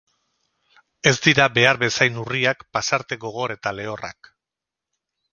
Ez dira behar bezain urriak pasarte gogor eta lehorrak.